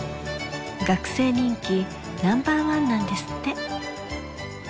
学生人気ナンバーワンなんですって。